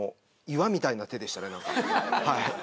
岩みたいな手でした。